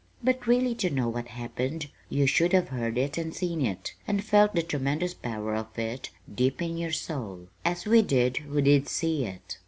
But really to know what happened, you should have heard it and seen it, and felt the tremendous power of it deep in your soul, as we did who did see it.